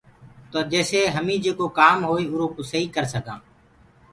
تو جيسي هميٚ جيڪو ڪآم هوئي اُرو ڪوٚ سهيٚ ڪر سڪانٚ۔